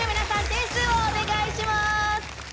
点数をお願いします。